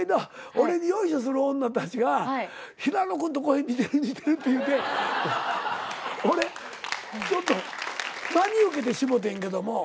俺によいしょする女たちが平野君と声似てる似てるって言うて俺真に受けてしもうてんけども。